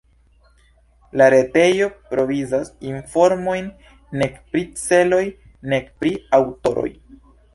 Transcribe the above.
La retejo provizas informojn nek pri celoj, nek pri aŭtoroj.